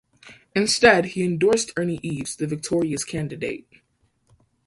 Instead, he endorsed Ernie Eves, the victorious candidate.